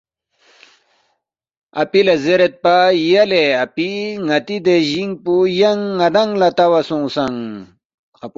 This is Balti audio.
اپی لہ زیریدپا، ”یلے اپی ن٘تی دے جِنگ پو ینگ ن٘دانگ لہ تاوا سونگسنگ